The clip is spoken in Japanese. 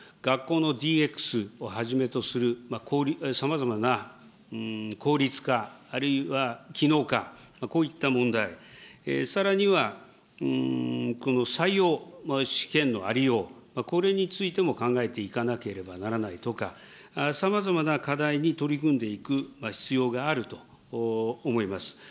それからそれ以外にも、学校のＤＸをはじめとするさまざまな効率化、あるいは機能化、こういった問題、さらには、採用試験のありよう、これについても考えていかなければならないとか、さまざまな課題に取り組んでいく必要があると思います。